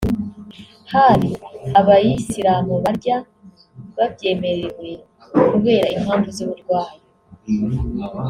hari Abayisilamu barya babyemerewe kubera impamvu z’uburwayi